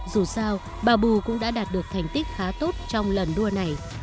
dù sao babu cũng đã đạt được thành tích khá tốt trong lần đua này